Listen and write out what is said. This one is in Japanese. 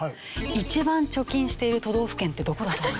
一番貯金している都道府県ってどこだと思います？